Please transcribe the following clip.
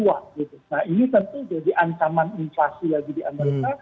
nah ini tentu jadi ancaman inflasi lagi di amerika